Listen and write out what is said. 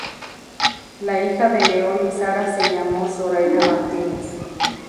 La hija de León y Sara se llamó Zoraida Martínez.